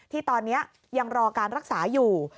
ที่ตอนนี้ยังรอการรักษาอยู่